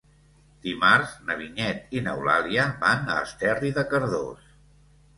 Dimarts na Vinyet i n'Eulàlia van a Esterri de Cardós.